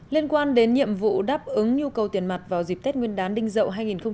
liên quan đến nhiệm vụ đáp ứng nhu cầu tiền mặt vào dịp tết nguyên đán đinh dậu hai nghìn hai mươi bốn